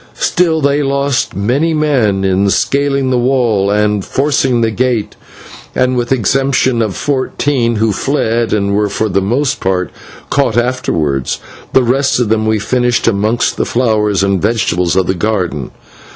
Still they lost many men in scaling the wall and forcing the gate, and with the exception of fourteen who fled, and were for the most part caught afterwards, the rest of them we finished amongst the flowers and vegetables of the garden.